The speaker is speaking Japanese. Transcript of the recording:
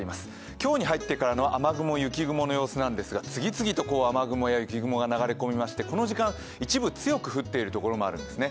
今日に入ってからの雨雲、雪雲の様子なんですが、次々と雨雲や雪雲が流れ込みましてこの時間、一部強く降っているところもあるんですね。